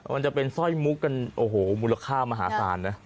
มันจะเป็นสร้อยมุกกันโอ้โหมูลค่ามหาศาลนะ